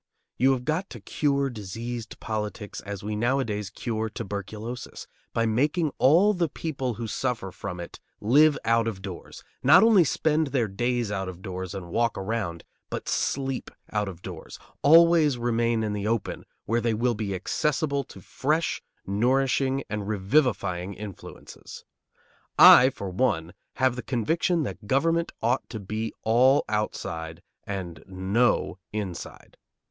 You have got to cure diseased politics as we nowadays cure tuberculosis, by making all the people who suffer from it live out of doors; not only spend their days out of doors and walk around, but sleep out of doors; always remain in the open, where they will be accessible to fresh, nourishing, and revivifying influences. I, for one, have the conviction that government ought to be all outside and no inside.